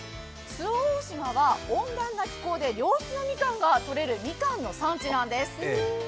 周防大島は温暖な気候で、良質なみかんがとれるみかんの産地なんです。